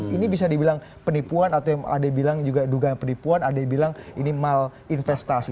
ini bisa dibilang penipuan atau yang ada bilang juga dugaan penipuan ada yang bilang ini mal investasi